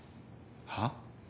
はっ？